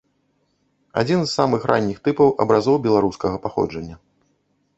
Адзін самых ранніх тыпаў абразоў беларускага паходжання.